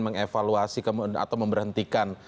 mengevaluasi atau memberhentikan